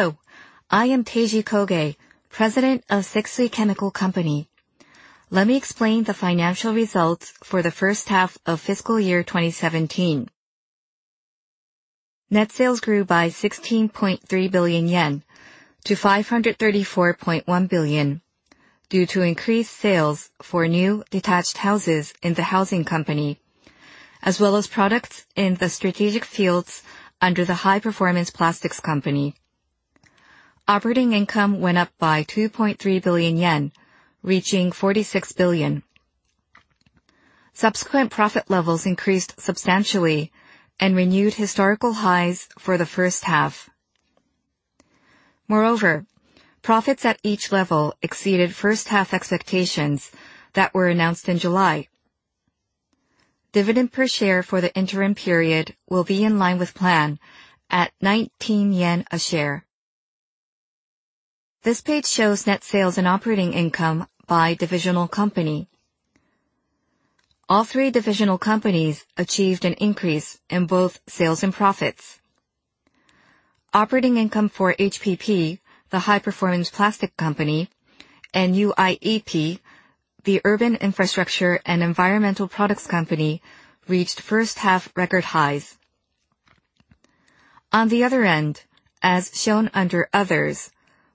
Hello. I am Teiji Koge, President of Sekisui Chemical Company. Let me explain the financial results for the first half of fiscal year 2017. Net sales grew by 16.3 billion yen to 534.1 billion, due to increased sales for new detached houses in the Housing Company, as well as products in the strategic fields under the High Performance Plastics Company. Operating income went up by 2.3 billion yen, reaching 46 billion. Subsequent profit levels increased substantially and renewed historical highs for the first half. Moreover, profits at each level exceeded first half expectations that were announced in July. Dividend per share for the interim period will be in line with plan at 19 yen a share. This page shows net sales and operating income by divisional company. All three divisional companies achieved an increase in both sales and profits. Operating income for HPP, the High Performance Plastics Company, and UIEP, the Urban Infrastructure & Environmental Products Company, reached first half record highs. On the other end, as shown under others,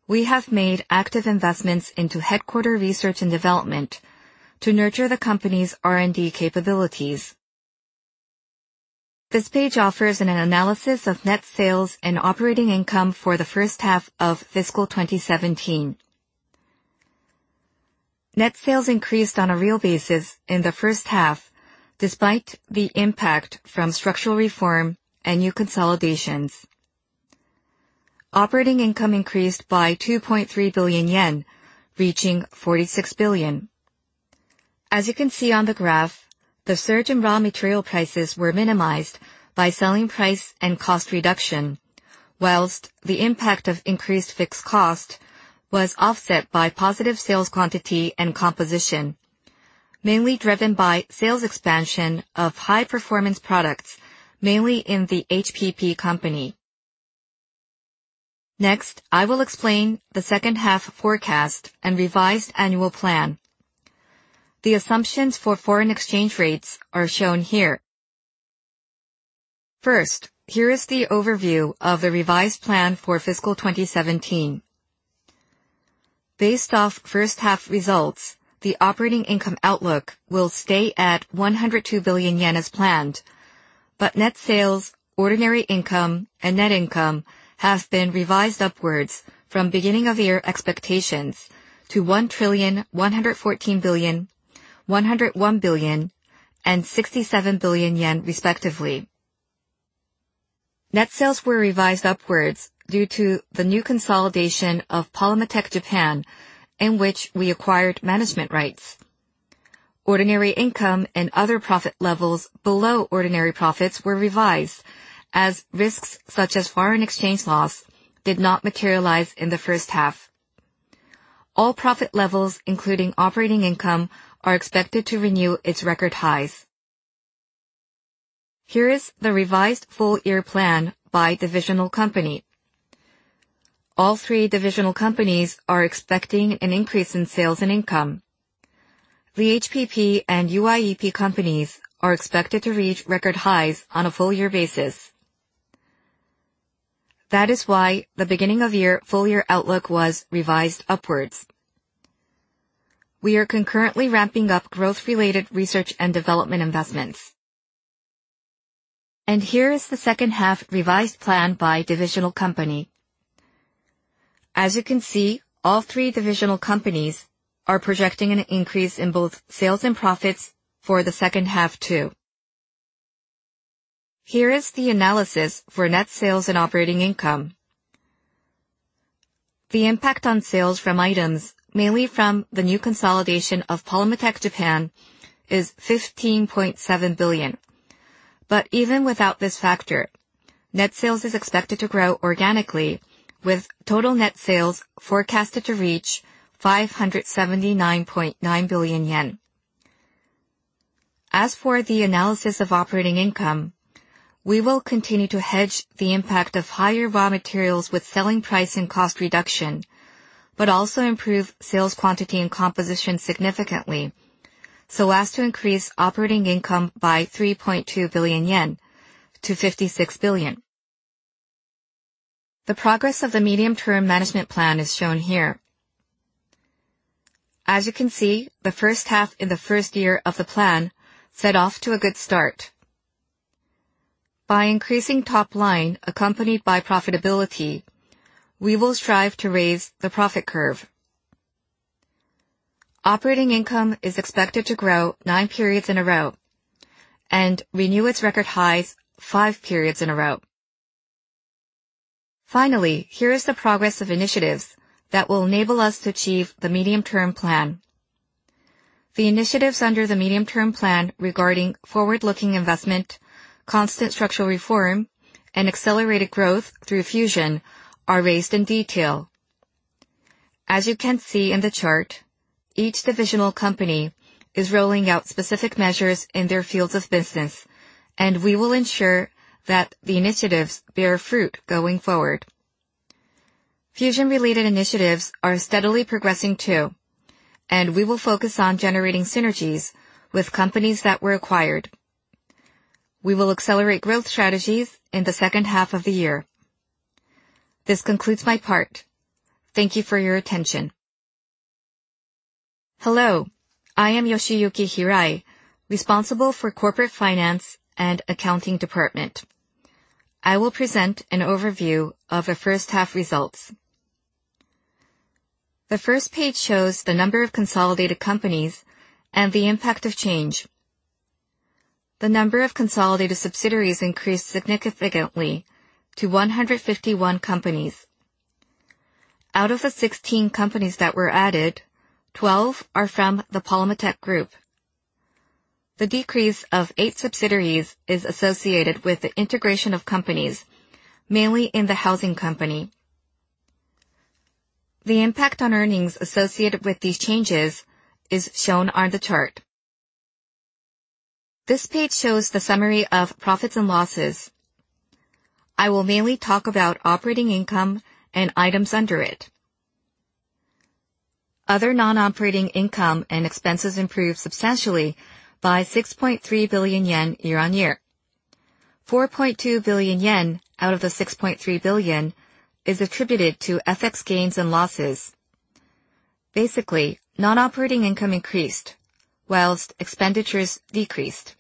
we have made active investments into headquarter research and development to nurture the company's R&D capabilities. This page offers an analysis of net sales and operating income for the first half of fiscal 2017. Net sales increased on a real basis in the first half, despite the impact from structural reform and new consolidations. Operating income increased by 2.3 billion yen, reaching 46 billion. As you can see on the graph, the surge in raw material prices were minimized by selling price and cost reduction, whilst the impact of increased fixed cost was offset by positive sales quantity and composition, mainly driven by sales expansion of high performance products, mainly in the HPP Company. I will explain the second half forecast and revised annual plan. The assumptions for foreign exchange rates are shown here. Here is the overview of the revised plan for fiscal 2017. Based off first half results, the operating income outlook will stay at 102 billion yen as planned. Net sales, ordinary income, and net income have been revised upwards from beginning of year expectations to 1,114 billion, 101 billion, and 67 billion yen respectively. Net sales were revised upwards due to the new consolidation of Polymatech Japan, in which we acquired management rights. Ordinary income and other profit levels below ordinary profits were revised as risks such as foreign exchange loss did not materialize in the first half. All profit levels, including operating income, are expected to renew its record highs. Here is the revised full-year plan by divisional company. All three divisional companies are expecting an increase in sales and income. The HPP and UIEP companies are expected to reach record highs on a full-year basis. That is why the beginning of year full-year outlook was revised upwards. We are concurrently ramping up growth-related research and development investments. Here is the second half revised plan by divisional company. As you can see, all three divisional companies are projecting an increase in both sales and profits for the second half too. Here is the analysis for net sales and operating income. The impact on sales from items, mainly from the new consolidation of Polymatech Japan, is 15.7 billion. Even without this factor, net sales is expected to grow organically, with total net sales forecasted to reach 579.9 billion yen. As for the analysis of operating income, we will continue to hedge the impact of higher raw materials with selling price and cost reduction, but also improve sales quantity and composition significantly so as to increase operating income by 3.2 billion yen to 56 billion. The progress of the medium-term management plan is shown here. As you can see, the first half in the first year of the plan set off to a good start. By increasing top line accompanied by profitability, we will strive to raise the profit curve. Operating income is expected to grow nine periods in a row and renew its record highs five periods in a row. Finally, here is the progress of initiatives that will enable us to achieve the medium-term plan. The initiatives under the medium-term plan regarding forward-looking investment, constant structural reform, and accelerated growth through fusion are raised in detail. As you can see in the chart, each divisional company is rolling out specific measures in their fields of business. We will ensure that the initiatives bear fruit going forward. Fusion-related initiatives are steadily progressing too. We will focus on generating synergies with companies that were acquired. We will accelerate growth strategies in the second half of the year. This concludes my part. Thank you for your attention. Hello, I am Yoshiyuki Hirai, responsible for corporate finance and accounting department. I will present an overview of the first half results. The first page shows the number of consolidated companies and the impact of change. The number of consolidated subsidiaries increased significantly to 151 companies. Out of the 16 companies that were added, 12 are from the Polymatech Group. The decrease of eight subsidiaries is associated with the integration of companies, mainly in the Housing Company. The impact on earnings associated with these changes is shown on the chart. This page shows the summary of profits and losses. I will mainly talk about operating income and items under it. Other non-operating income and expenses improved substantially by 6.3 billion yen year-on-year. 4.2 billion yen out of the 6.3 billion is attributed to FX gains and losses. Basically, non-operating income increased whilst expenditures decreased.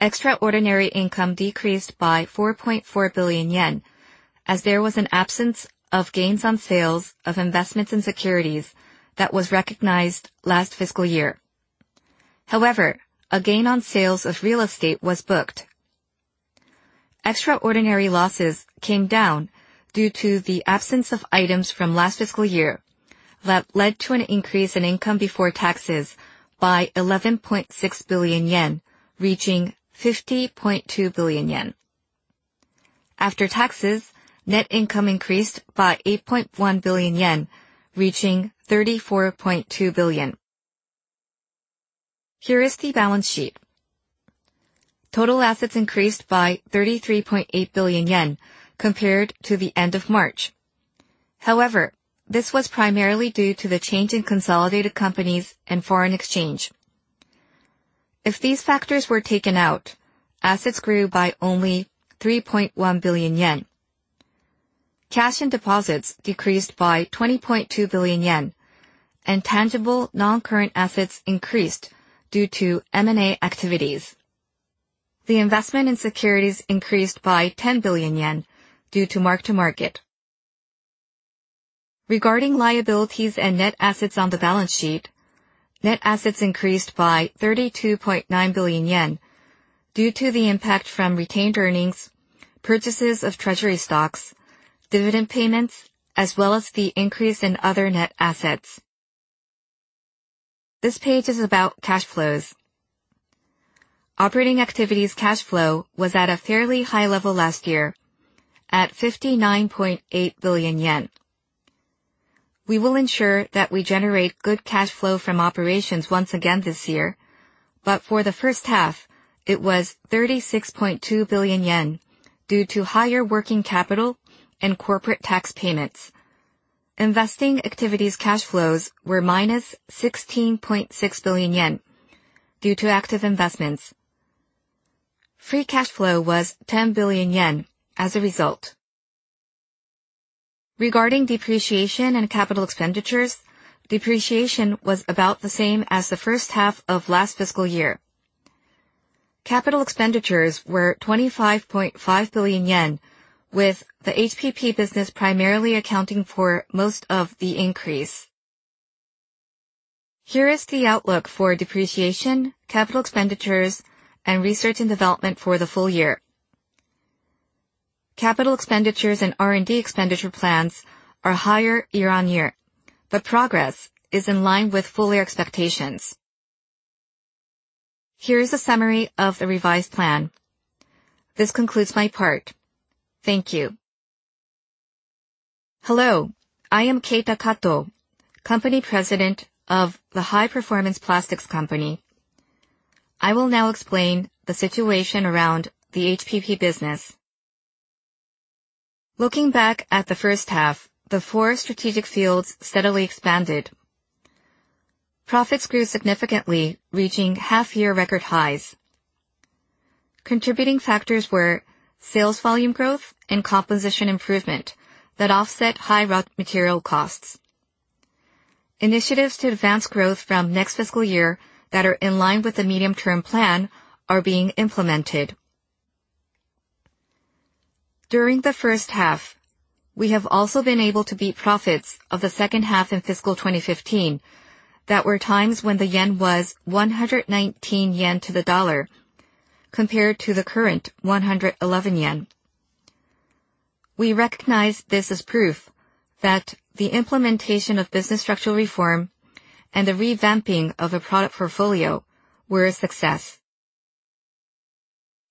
Extraordinary income decreased by 4.4 billion yen, as there was an absence of gains on sales of investments in securities that was recognized last fiscal year. However, a gain on sales of real estate was booked. Extraordinary losses came down due to the absence of items from last fiscal year that led to an increase in income before taxes by 11.6 billion yen, reaching 50.2 billion yen. After taxes, net income increased by 8.1 billion yen, reaching 34.2 billion. Here is the balance sheet. Total assets increased by 33.8 billion yen compared to the end of March. This was primarily due to the change in consolidated companies and foreign exchange. If these factors were taken out, assets grew by only 3.1 billion yen. Cash and deposits decreased by 20.2 billion yen. Tangible non-current assets increased due to M&A activities. The investment in securities increased by 10 billion yen due to mark-to-market. Regarding liabilities and net assets on the balance sheet, net assets increased by 32.9 billion yen due to the impact from retained earnings, purchases of treasury stocks, dividend payments, as well as the increase in other net assets. This page is about cash flows. Operating activities cash flow was at a fairly high level last year at 59.8 billion yen. We will ensure that we generate good cash flow from operations once again this year. For the first half it was 36.2 billion yen due to higher working capital and corporate tax payments. Investing activities cash flows were -16.4 billion yen due to active investments. Free cash flow was 10 billion yen as a result. Regarding depreciation and capital expenditures, depreciation was about the same as the first half of last fiscal year. Capital expenditures were 25.5 billion yen, with the HPP business primarily accounting for most of the increase. Here is the outlook for depreciation, capital expenditures, and research and development for the full year. Capital expenditures and R&D expenditure plans are higher year-on-year, but progress is in line with full year expectations. Here is a summary of the revised plan. This concludes my part. Thank you. Hello, I am Keita Kato, President of the High Performance Plastics Company. I will now explain the situation around the HPP business. Looking back at the first half, the four strategic fields steadily expanded. Profits grew significantly, reaching half-year record highs. Contributing factors were sales volume growth and composition improvement that offset high raw material costs. Initiatives to advance growth from next fiscal year that are in line with the medium-term plan are being implemented. During the first half, we have also been able to beat profits of the second half in fiscal 2015 that were times when the yen was 119 yen to the dollar compared to the current 111 yen. We recognize this as proof that the implementation of business structural reform and the revamping of the product portfolio were a success.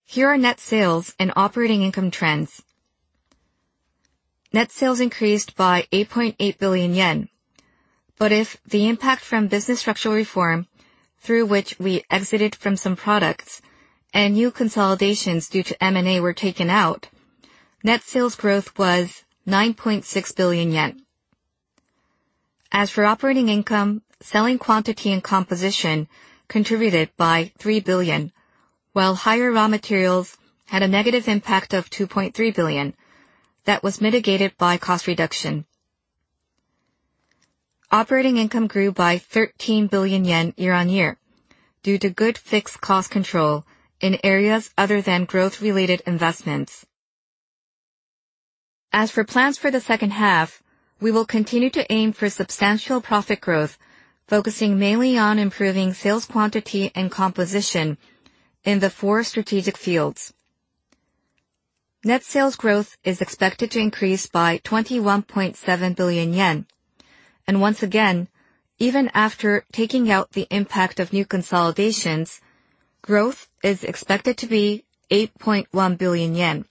Here are net sales and operating income trends. Net sales increased by 8.8 billion yen. If the impact from business structural reform through which we exited from some products and new consolidations due to M&A were taken out, net sales growth was 9.6 billion yen. As for operating income, selling quantity and composition contributed by 3 billion, while higher raw materials had a negative impact of 2.3 billion that was mitigated by cost reduction. Operating income grew by 13 billion yen year-on-year due to good fixed cost control in areas other than growth-related investments. As for plans for the second half, we will continue to aim for substantial profit growth, focusing mainly on improving sales quantity and composition in the four strategic fields. Net sales growth is expected to increase by 21.7 billion yen. Once again, even after taking out the impact of new consolidations, growth is expected to be 8.1 billion yen.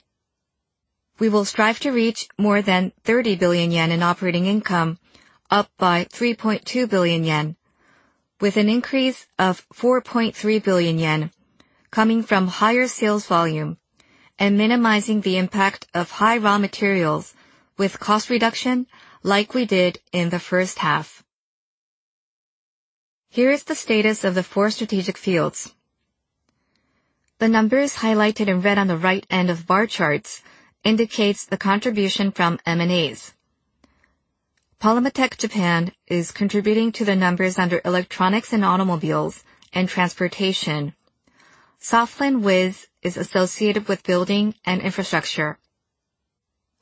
We will strive to reach more than 30 billion yen in operating income, up by 3.2 billion yen, with an increase of 4.3 billion yen coming from higher sales volume and minimizing the impact of high raw materials with cost reduction like we did in the first half. Here is the status of the four strategic fields. The numbers highlighted in red on the right end of bar charts indicates the contribution from M&As. Polymatech Japan is contributing to the numbers under electronics and automobiles and transportation. Soflan Wiz is associated with building and infrastructure.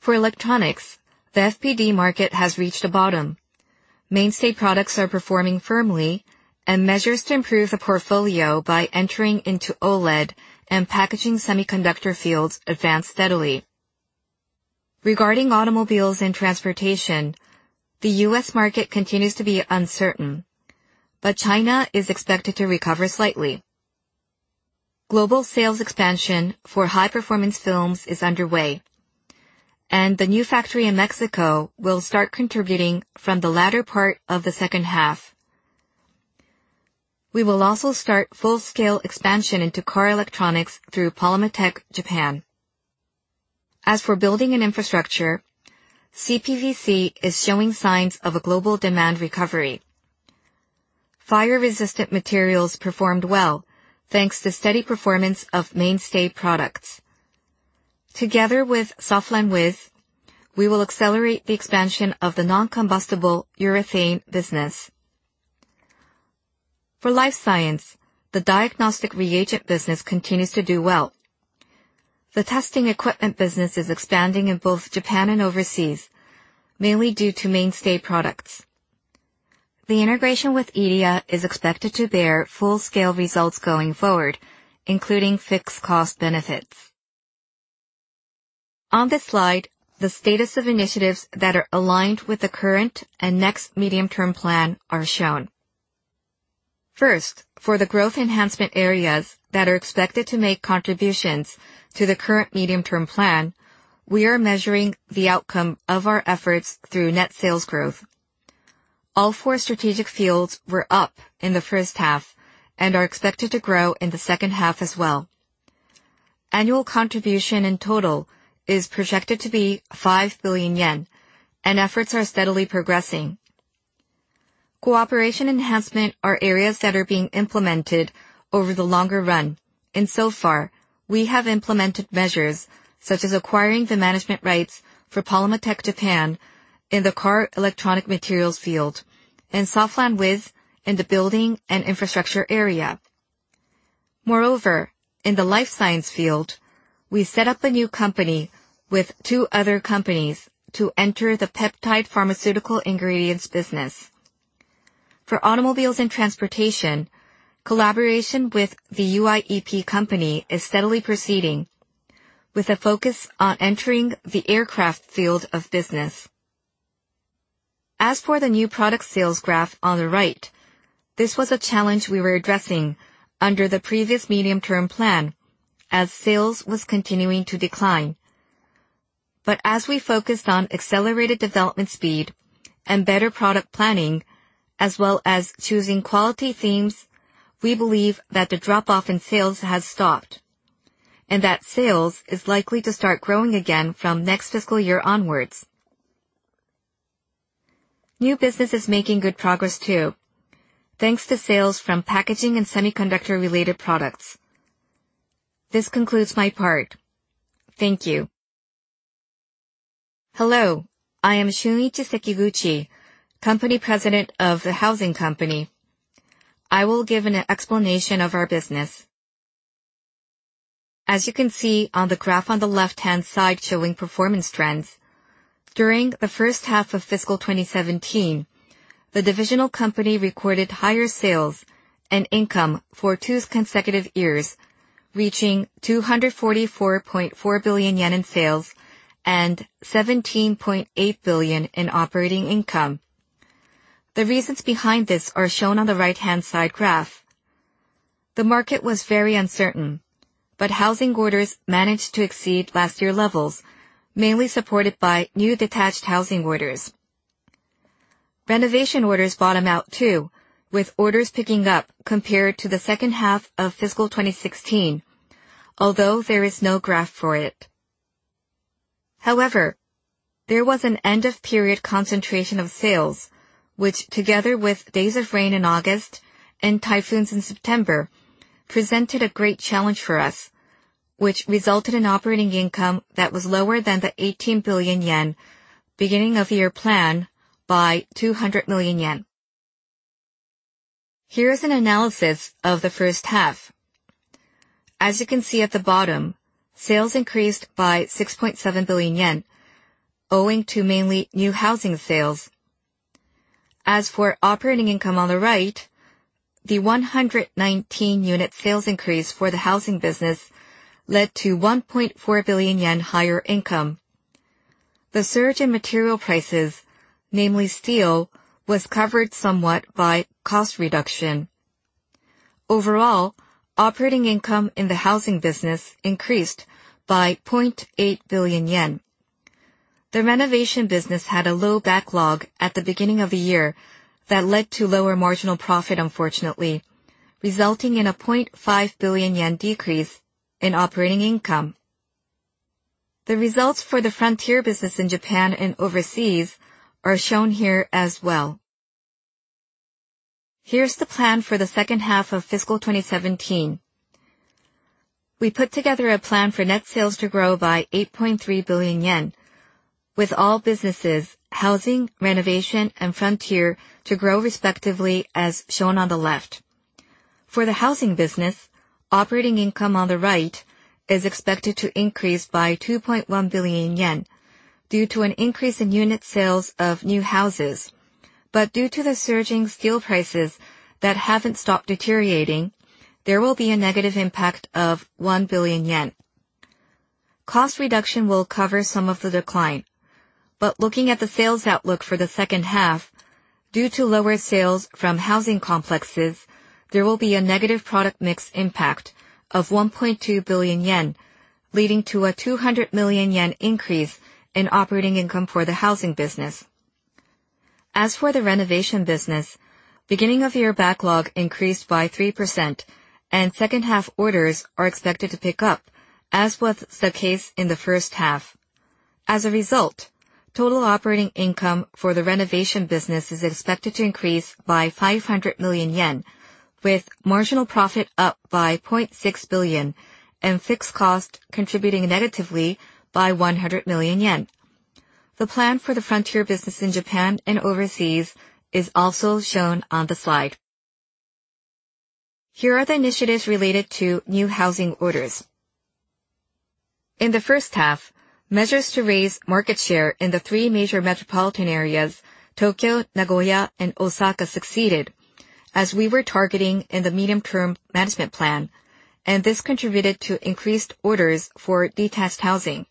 For electronics, the SPD market has reached a bottom. Mainstay products are performing firmly and measures to improve the portfolio by entering into OLED and packaging semiconductor fields advance steadily. Regarding automobiles and transportation, the U.S. market continues to be uncertain. China is expected to recover slightly. Global sales expansion for high-performance films is underway, and the new factory in Mexico will start contributing from the latter part of the second half. We will also start full-scale expansion into car electronics through Polymatech Japan. As for building an infrastructure, CPVC is showing signs of a global demand recovery. Fire-resistant materials performed well, thanks to steady performance of mainstay products. Together with Soflan Wiz, we will accelerate the expansion of the non-combustible urethane business. For life science, the diagnostic reagent business continues to do well. The testing equipment business is expanding in both Japan and overseas, mainly due to mainstay products. The integration with Eidia is expected to bear full-scale results going forward, including fixed cost benefits. On this slide, the status of initiatives that are aligned with the current and next medium-term plan are shown. For the growth enhancement areas that are expected to make contributions to the current medium-term plan, we are measuring the outcome of our efforts through net sales growth. All four strategic fields were up in the first half and are expected to grow in the second half as well. Annual contribution in total is projected to be 5 billion yen, efforts are steadily progressing. Cooperation enhancement are areas that are being implemented over the longer run. So far, we have implemented measures such as acquiring the management rights for Polymatech Japan in the car electronic materials field and Soflan Wiz in the building and infrastructure area. Moreover, in the life science field, we set up a new company with two other companies to enter the peptide pharmaceutical ingredients business. For automobiles and transportation, collaboration with the UIEP Company is steadily proceeding with a focus on entering the aircraft field of business. As for the new product sales graph on the right, this was a challenge we were addressing under the previous medium-term plan as sales was continuing to decline. As we focused on accelerated development speed and better product planning, as well as choosing quality themes, we believe that the drop-off in sales has stopped, and that sales is likely to start growing again from next fiscal year onwards. New business is making good progress too, thanks to sales from packaging and semiconductor-related products. This concludes my part. Thank you. Hello, I am Shunichi Sekiguchi, Company President of the Housing Company. I will give an explanation of our business. As you can see on the graph on the left-hand side showing performance trends, during the first half of FY 2017, the divisional company recorded higher sales and income for two consecutive years, reaching 244.4 billion yen in sales and 17.8 billion in operating income. The reasons behind this are shown on the right-hand side graph. The market was very uncertain, housing orders managed to exceed last year levels, mainly supported by new detached housing orders. Renovation orders bottom out too, with orders picking up compared to the second half of FY 2016, although there is no graph for it. However, there was an end-of-period concentration of sales, which together with days of rain in August and typhoons in September, presented a great challenge for us, which resulted in operating income that was lower than the 18 billion yen beginning of year plan by 200 million yen. Here is an analysis of the first half. As you can see at the bottom, sales increased by 6.7 billion yen, owing to mainly new housing sales. As for operating income on the right, the 119-unit sales increase for the housing business led to 1.4 billion yen higher income. The surge in material prices, namely steel, was covered somewhat by cost reduction. Overall, operating income in the housing business increased by 0.8 billion yen. The renovation business had a low backlog at the beginning of the year that led to lower marginal profit unfortunately, resulting in a 0.5 billion yen decrease in operating income. The results for the frontier business in Japan and overseas are shown here as well. Here's the plan for the second half of fiscal 2017. We put together a plan for net sales to grow by 8.3 billion yen, with all businesses, housing, renovation, and frontier to grow respectively as shown on the left. For the housing business, operating income on the right is expected to increase by 2.1 billion yen due to an increase in unit sales of new houses. Due to the surging steel prices that haven't stopped deteriorating, there will be a negative impact of 1 billion yen. Cost reduction will cover some of the decline. Looking at the sales outlook for the second half, due to lower sales from housing complexes, there will be a negative product mix impact of 1.2 billion yen, leading to a 200 million yen increase in operating income for the housing business. As for the renovation business, beginning of year backlog increased by 3% and second half orders are expected to pick up, as was the case in the first half. As a result, total operating income for the renovation business is expected to increase by 500 million yen, with marginal profit up by 0.6 billion and fixed cost contributing negatively by 100 million yen. The plan for the frontier business in Japan and overseas is also shown on the slide. Here are the initiatives related to new housing orders. In the first half, measures to raise market share in the three major metropolitan areas, Tokyo, Nagoya, and Osaka succeeded as we were targeting in the medium-term management plan, and this contributed to increased orders for detached housing.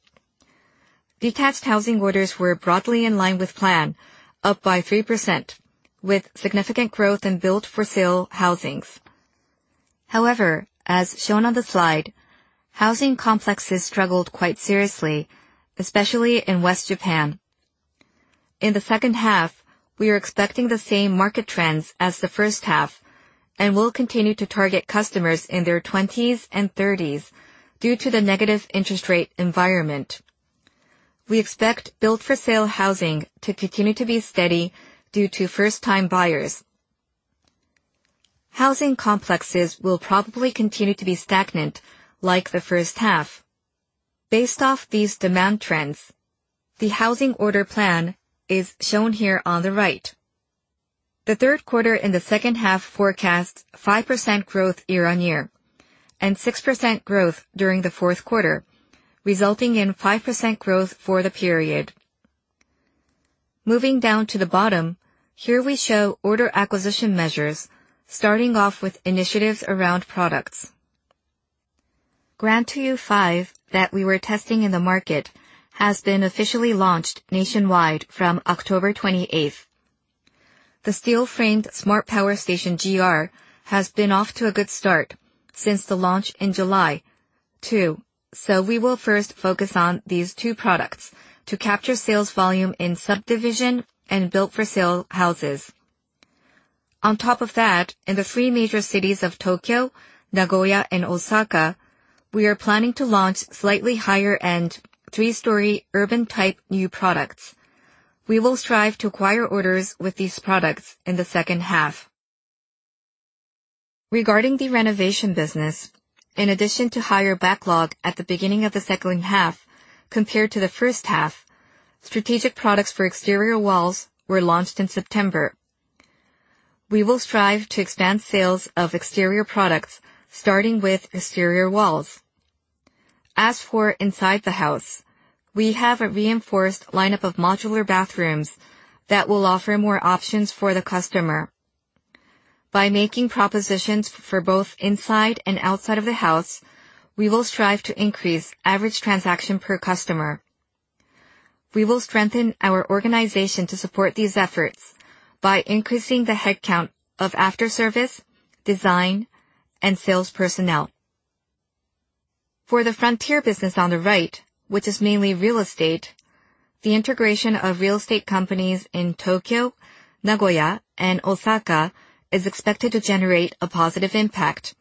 Detached housing orders were broadly in line with plan, up by 3%, with significant growth in build-for-sale housings. As shown on the slide, housing complexes struggled quite seriously, especially in West Japan. In the second half, we are expecting the same market trends as the first half and will continue to target customers in their 20s and 30s due to the negative interest rate environment. We expect build-for-sale housing to continue to be steady due to first-time buyers. Housing complexes will probably continue to be stagnant like the first half. Based off these demand trends, the housing order plan is shown here on the right. The third quarter and the second half forecast 5% growth year-on-year and 6% growth during the fourth quarter, resulting in 5% growth for the period. Moving down to the bottom, here we show order acquisition measures starting off with initiatives around products. Grand to You V that we were testing in the market has been officially launched nationwide from October 28th. The steel-framed Smart Power Station GR has been off to a good start since the launch in July, too. We will first focus on these two products to capture sales volume in subdivision and build-for-sale houses. On top of that, in the three major cities of Tokyo, Nagoya, and Osaka, we are planning to launch slightly higher-end, three-story urban type new products. We will strive to acquire orders with these products in the second half. Regarding the renovation business, in addition to higher backlog at the beginning of the second half compared to the first half, strategic products for exterior walls were launched in September. We will strive to expand sales of exterior products starting with exterior walls. As for inside the house, we have a reinforced lineup of modular bathrooms that will offer more options for the customer. By making propositions for both inside and outside of the house, we will strive to increase average transaction per customer. We will strengthen our organization to support these efforts by increasing the head count of after service, design, and sales personnel. For the frontier business on the right, which is mainly real estate, the integration of real estate companies in Tokyo, Nagoya, and Osaka is expected to generate a positive impact.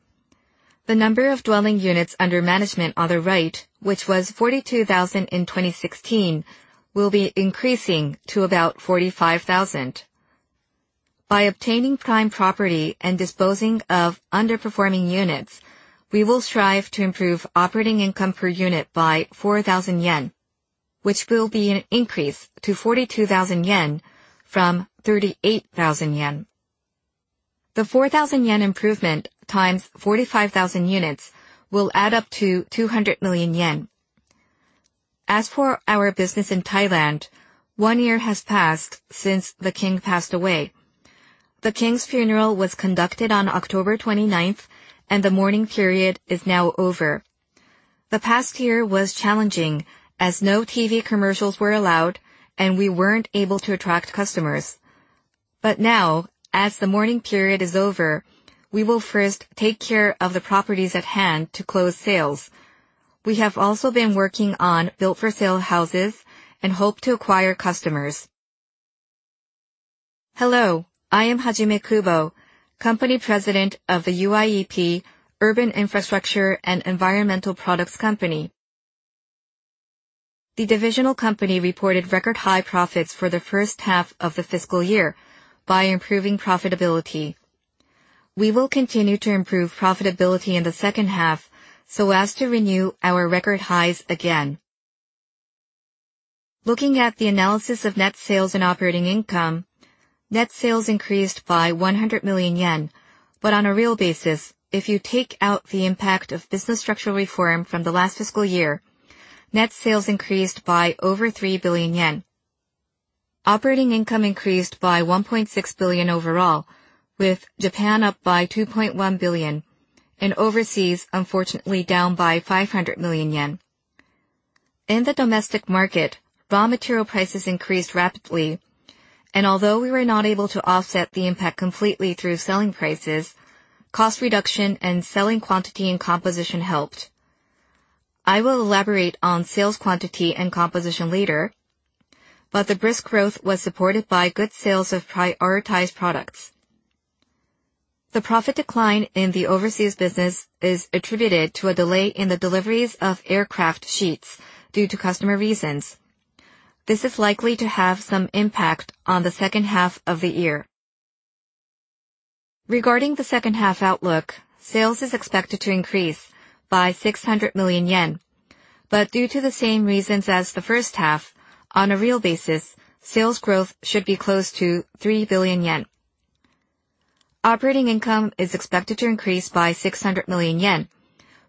The number of dwelling units under management on the right, which was 42,000 in 2016, will be increasing to about 45,000. By obtaining prime property and disposing of underperforming units, we will strive to improve operating income per unit by 4,000 yen, which will be an increase to 42,000 yen from 38,000 yen. The 4,000 yen improvement times 45,000 units will add up to 200 million yen. As for our business in Thailand, one year has passed since the King passed away. The King's funeral was conducted on October 29th, and the mourning period is now over. The past year was challenging as no TV commercials were allowed and we weren't able to attract customers. Now, as the mourning period is over, we will first take care of the properties at hand to close sales. We have also been working on built-for-sale houses and hope to acquire customers. Hello, I am Hajime Kubo, Company President of the UIEP, Urban Infrastructure & Environmental Products Company. The divisional company reported record high profits for the first half of the fiscal year by improving profitability. We will continue to improve profitability in the second half to renew our record highs again. Looking at the analysis of net sales and operating income, net sales increased by 100 million yen. On a real basis, if you take out the impact of business structural reform from the last fiscal year, net sales increased by over 3 billion yen. Operating income increased by 1.6 billion overall, with Japan up by 2.1 billion and overseas, unfortunately, down by 500 million yen. In the domestic market, raw material prices increased rapidly, and although we were not able to offset the impact completely through selling prices, cost reduction and selling quantity and composition helped. I will elaborate on sales quantity and composition later, but the brisk growth was supported by good sales of prioritized products. The profit decline in the overseas business is attributed to a delay in the deliveries of aircraft sheets due to customer reasons. This is likely to have some impact on the second half of the year. Regarding the second half outlook, sales is expected to increase by 600 million yen, but due to the same reasons as the first half, on a real basis, sales growth should be close to 3 billion yen. Operating income is expected to increase by 600 million yen,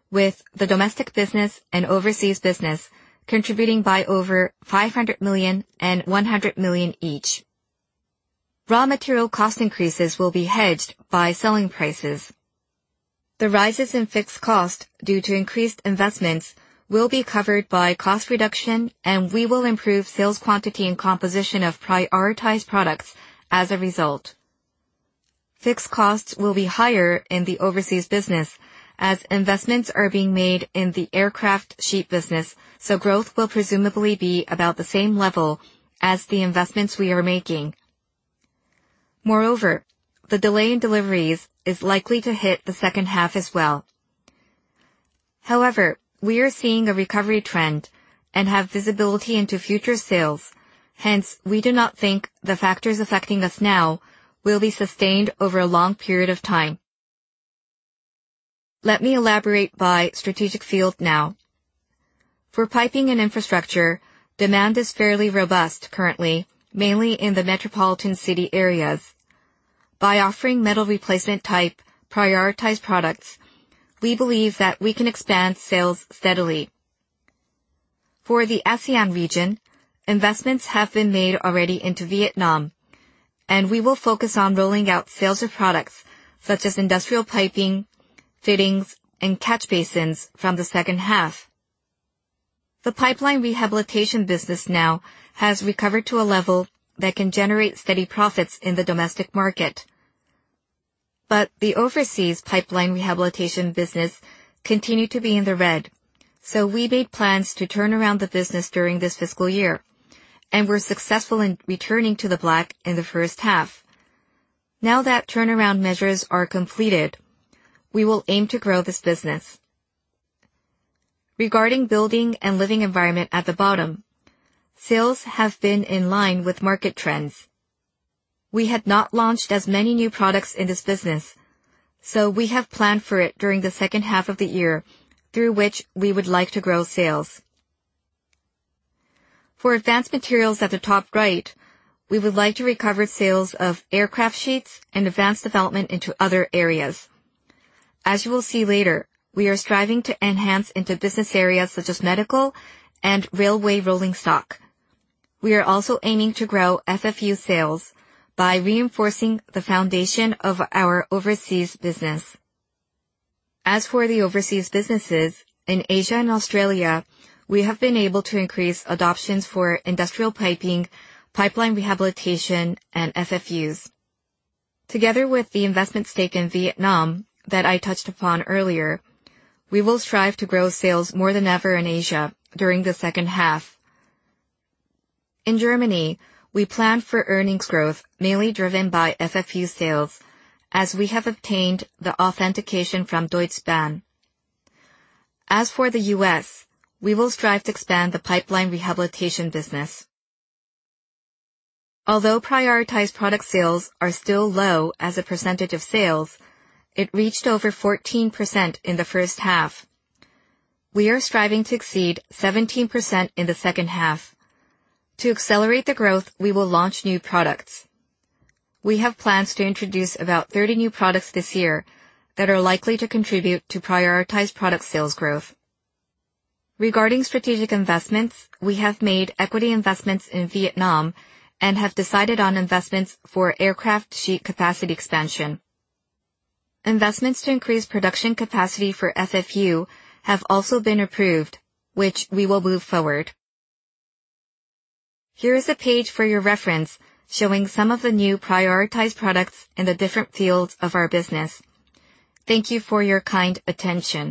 with the domestic business and overseas business contributing by over 500 million and 100 million each. Raw material cost increases will be hedged by selling prices. The rises in fixed cost due to increased investments will be covered by cost reduction, and we will improve sales quantity and composition of prioritized products as a result. Fixed costs will be higher in the overseas business as investments are being made in the aircraft sheet business, so growth will presumably be about the same level as the investments we are making. The delay in deliveries is likely to hit the second half as well. We are seeing a recovery trend and have visibility into future sales. We do not think the factors affecting us now will be sustained over a long period of time. Let me elaborate by strategic field now. For piping and infrastructure, demand is fairly robust currently, mainly in the metropolitan city areas. By offering metal replacement type prioritized products, we believe that we can expand sales steadily. For the ASEAN region, investments have been made already into Vietnam, and we will focus on rolling out sales of products such as industrial piping, fittings, and catch basins from the second half. The pipeline rehabilitation business now has recovered to a level that can generate steady profits in the domestic market. The overseas pipeline rehabilitation business continued to be in the red. We made plans to turn around the business during this fiscal year and were successful in returning to the black in the first half. Now that turnaround measures are completed, we will aim to grow this business. Regarding building and living environment at the bottom, sales have been in line with market trends. We had not launched as many new products in this business, so we have planned for it during the second half of the year, through which we would like to grow sales. For advanced materials at the top right, we would like to recover sales of aircraft sheets and advance development into other areas. As you will see later, we are striving to enhance into business areas such as medical and railway rolling stock. We are also aiming to grow FFU sales by reinforcing the foundation of our overseas business. As for the overseas businesses in Asia and Australia, we have been able to increase adoptions for industrial piping, pipeline rehabilitation, and FFUs. Together with the investment stake in Vietnam that I touched upon earlier, we will strive to grow sales more than ever in Asia during the second half. In Germany, we plan for earnings growth mainly driven by FFU sales as we have obtained the authentication from Deutsche Bahn. As for the U.S., we will strive to expand the pipeline rehabilitation business. Although prioritized product sales are still low as a percentage of sales, it reached over 14% in the first half. We are striving to exceed 17% in the second half. To accelerate the growth, we will launch new products. We have plans to introduce about 30 new products this year that are likely to contribute to prioritized product sales growth. Regarding strategic investments, we have made equity investments in Vietnam and have decided on investments for aircraft sheet capacity expansion. Investments to increase production capacity for FFU have also been approved, which we will move forward. Here is a page for your reference showing some of the new prioritized products in the different fields of our business. Thank you for your kind attention.